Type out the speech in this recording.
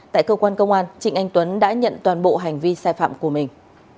tại cơ quan công an trịnh anh tuấn đã nhận toàn bộ hành vi sai phạm của mình